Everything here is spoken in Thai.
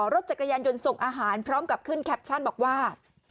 รถจักรยานยนต์ส่งอาหารพร้อมกับขึ้นแคปชั่นบอกว่า